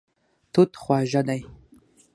توت خواږه دی.